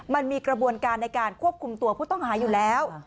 มันมีกระบวนการในการควบคุมตัวผู้ต้องหาอยู่แล้ว